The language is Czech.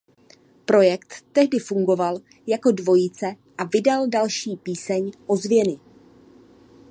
Projekt tehdy fungoval jako dvojice a vydal další píseň "Ozvěny".